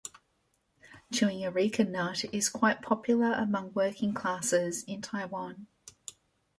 Chewing areca nut is quite popular among working classes in Taiwan.